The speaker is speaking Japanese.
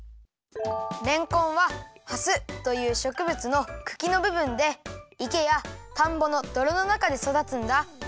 れんこんは「はす」というしょくぶつのくきのぶぶんでいけやたんぼのどろのなかでそだつんだ。